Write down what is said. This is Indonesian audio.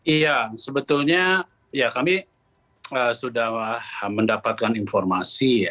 iya sebetulnya ya kami sudah mendapatkan informasi ya